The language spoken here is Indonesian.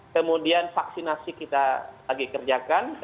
kemudian vaksinasi kita lagi kerjakan